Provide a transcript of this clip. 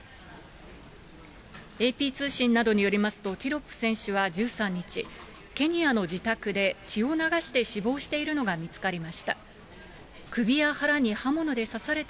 ＡＰ通信などによりますと、ティロップ選手は、１３日、ケニアの自宅で血を流して死亡しているのが見つかりました。